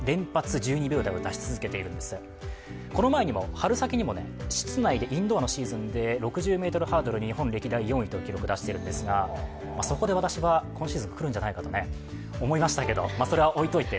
春先にも室内でインドアの室内で６０ｍハードル、日本歴代４位という記録を出しているんですが、今シーズン来るんじゃないかと思いましたけど、それはおいといて。